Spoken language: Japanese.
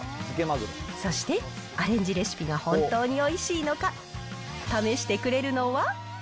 そして、アレンジレシピが本当においしいのか、試してくれるのは。